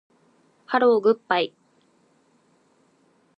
ハローグッバイ